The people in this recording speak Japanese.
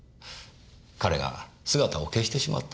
彼が姿を消してしまったんですよ。